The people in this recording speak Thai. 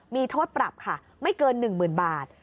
มีโทษปรับค่ะไม่เกินหนึ่งหมื่นบาท